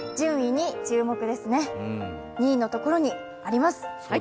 ２位のところにあります。